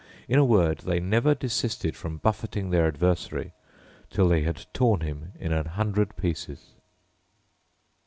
In a word, they never desisted from buffeting their adversary till they had torn him in an hundred pieces.